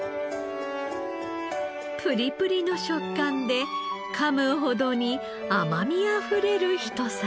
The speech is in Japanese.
プリプリの食感でかむほどに甘みあふれるひと皿。